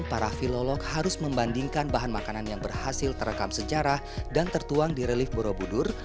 para filolog harus membandingkan bahan makanan yang berhasil terekam sejarah dan tertuang di relif borobudur